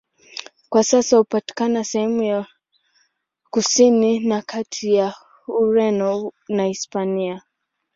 Kwa sasa hupatikana sehemu ya kusini na kati ya Ureno na Hispania.